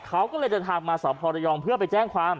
เขาก็เลยเดินทางมาสพระยองเพื่อไปแจ้งความ